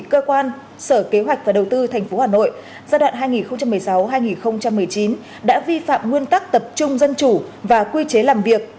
cơ quan sở kế hoạch và đầu tư tp hà nội giai đoạn hai nghìn một mươi sáu hai nghìn một mươi chín đã vi phạm nguyên tắc tập trung dân chủ và quy chế làm việc